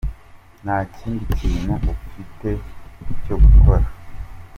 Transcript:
Nta kindi kintu ufite cyo gukora.